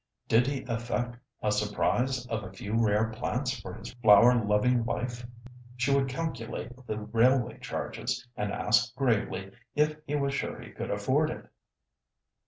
Did he effect a surprise of a few rare plants for his flower loving wife, she would calculate the railway charges, and ask gravely if he was sure he could afford it.